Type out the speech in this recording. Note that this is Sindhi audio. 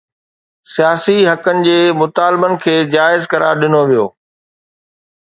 سياسي حقن جي مطالبن کي جائز قرار ڏنو ويو